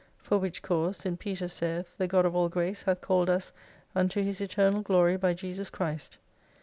For which cause St. Peter saith The God of all Grace hath called us unto His Eternal Glory by Jesus Christ.